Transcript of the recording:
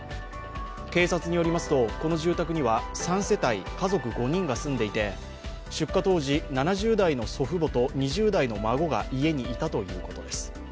警察によりますと、この住宅には３世帯、家族５人が住んでいて、出火当時、７０代の祖父母と２０代の孫が家にいたということです。